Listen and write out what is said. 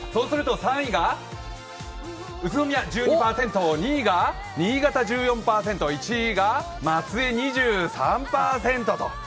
３位が宇都宮１２％、２位が新潟１４％、１位が松江２３％と。